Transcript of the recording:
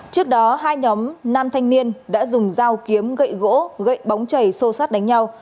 trước đó hai nhóm nam thanh niên đã dùng dao kiếm gậy gỗ gậy bóng chày sâu sát đánh nhau